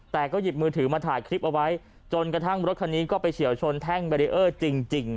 แต่ก็หยิบมือถือมาถ่ายคลิปเอาไว้จนกระทั่งรถคันนี้ก็ไปเฉียวชนแท่งเบรีเออร์จริง